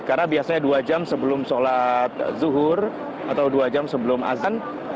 karena biasanya dua jam sebelum sholat zuhur atau dua jam sebelum azan